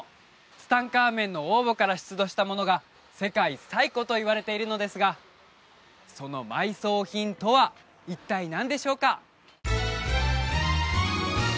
ツタンカーメンの王墓から出土したものが世界最古といわれているのですがその埋葬品とは一体何でしょうか？